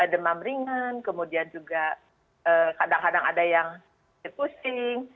demam ringan kemudian juga kadang kadang ada yang pusing